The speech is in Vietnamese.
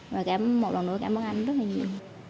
và cảm một lần nữa cảm ơn anh rất là nhiều